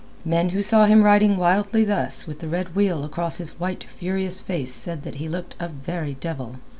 Men who saw him riding wildly thus with the red wheal across his white furious face said that he looked a very devil.